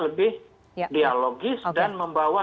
lebih dialogis dan membawa